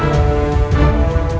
senopati sanjang lodana